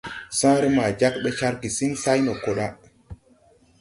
Sããre maa jāg ɓe car gesiŋ say ndo ko da.